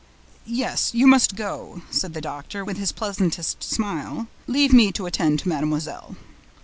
"Yes, you must go," said the doctor, with his pleasantest smile. "Leave me to attend to mademoiselle."